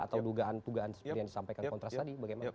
atau dugaan dugaan seperti yang disampaikan kontras tadi bagaimana